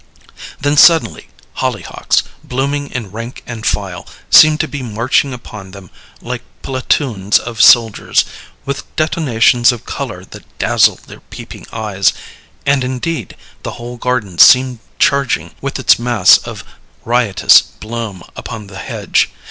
Then suddenly hollyhocks, blooming in rank and file, seemed to be marching upon them like platoons of soldiers, with detonations of color that dazzled their peeping eyes; and, indeed, the whole garden seemed charging with its mass of riotous bloom upon the hedge.